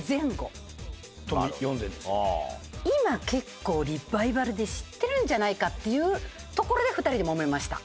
今結構リバイバルで知ってるんじゃないかっていうところで２人でもめました。